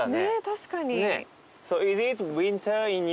確かに。